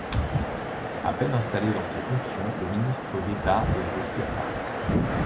À peine installé dans ses fonctions, le ministre d’État est reçu à Paris.